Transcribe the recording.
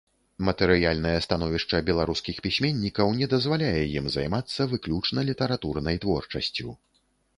Матэрыяльнае становішча беларускіх пісьменнікаў не дазваляе ім займацца выключна літаратурнай творчасцю.